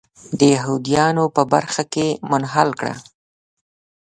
د یهودانو په برخه کې منحل کړه.